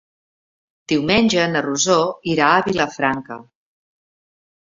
Diumenge na Rosó irà a Vilafranca.